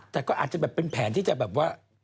แต่ก็อาจจะแบบเป็นแผนที่จะแบบว่า